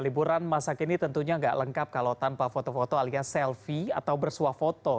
liburan masa kini tentunya nggak lengkap kalau tanpa foto foto alias selfie atau bersuah foto